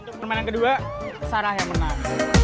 untuk permainan kedua sarah yang menang